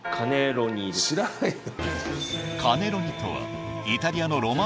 知らないよ